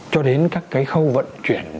cho đến các khâu vận chuyển